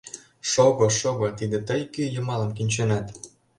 Шого-шого, тиде тый кӱ йымалым кӱнченат?